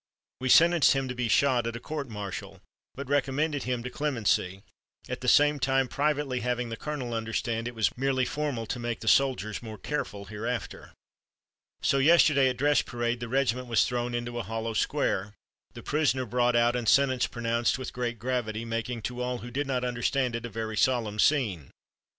We sentenced him to be shot, at a court martial, but recommended him to clemency; at the same time privately having the colonel understand it was merely formal to make the soldiers more careful hereafter. "So yesterday at dress parade the regiment was thrown into a hollow square, the prisoner brought out and sentence pronounced with great gravity, making to all who did not understand it a very solemn scene.